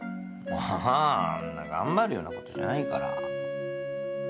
あぁそんな頑張るようなことじゃないから。